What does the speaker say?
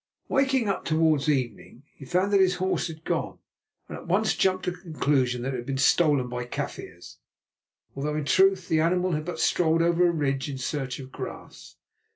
Waking up towards evening, he found that his horse had gone, and at once jumped to the conclusion that it had been stolen by Kaffirs, although in truth the animal had but strolled over a ridge in search of grass.